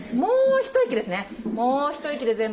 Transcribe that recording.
もう一息ですね。